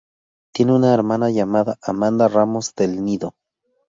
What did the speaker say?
Tiene una hermana llamada Amanda Ramos de Del Nido.